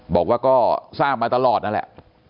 บอกว่าก็ทราบมาตลอดนั่นแหละ